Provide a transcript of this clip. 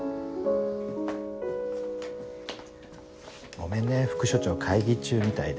ごめんね副署長会議中みたいで。